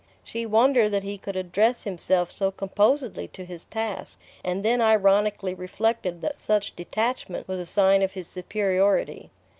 She wondered that he could address himself so composedly to his task, and then ironically reflected that such detachment was a sign of his superiority.